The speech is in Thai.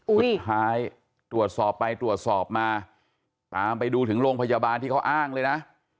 สุดท้ายตรวจสอบไปตรวจสอบมาตามไปดูถึงโรงพยาบาลที่เขาอ้างเลยนะ